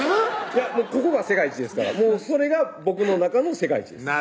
いやここが世界一ですからそれが僕の中の世界一です